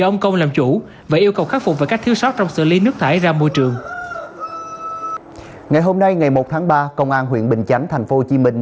ngày hôm nay ngày một tháng ba công an huyện bình chánh thành phố hồ chí minh